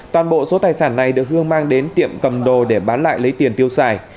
toàn bộ số tài sản này được hương mang đến tiệm cầm đồ để bán lại lấy tiền tiêu xài